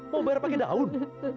mau bayar pakai daun